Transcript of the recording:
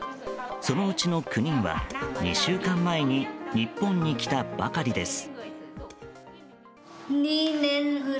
そのうちの９人は、２週間前に日本に来たばかりです。